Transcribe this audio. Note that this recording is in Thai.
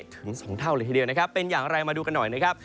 ถึง๒เท่าเลยทีเดียวนะครับเป็นอย่างไรมาดูกันหน่อยนะครับ